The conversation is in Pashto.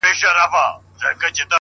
که هر څو یې پښې تڼاکي په ځغستا کړې؛